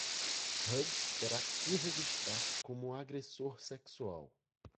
Hughes terá que se registrar como agressor sexual.